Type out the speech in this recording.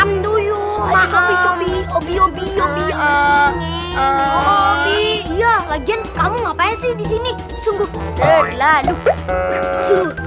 amdo yuk biar lagian kamu ngapain sih disini sungguh terlalu lalu